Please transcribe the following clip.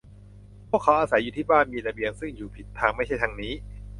พวกเขาอาศัยอยู่ที่บ้าน มีระเบียง ซึ่งอยู่ผิดทาง ไม่ใช่ทางนี้